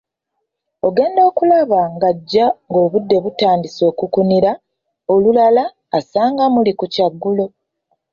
Ogenda okulaba ng'ajja ng'obudde butandise okukunira, olulala asanga muli ku kyaggulo.